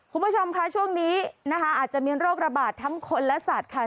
คุณผู้ชมค่ะช่วงนี้นะคะอาจจะมีโรคระบาดทั้งคนและสัตว์ค่ะ